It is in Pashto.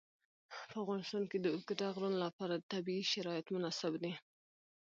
په افغانستان کې د اوږده غرونه لپاره طبیعي شرایط مناسب دي.